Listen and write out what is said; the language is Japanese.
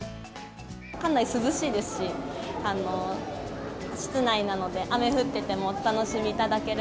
館内涼しいですし、室内なので、雨降っててもお楽しみいただける。